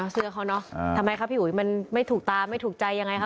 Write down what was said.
เสื้อเขาน่ะทำไมครับพี่หอยมันไม่ถูกตามไม่ถูกใจอย่างไรคะ